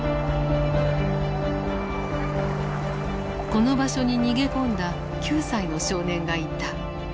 この場所に逃げ込んだ９歳の少年がいた。